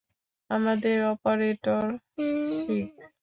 আমাদের operator, sick.